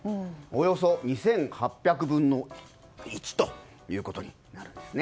およそ２８００分の１ということになるんです。